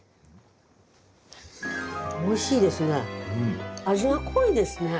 おいしいですね。